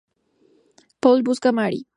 Paul busca a Mary.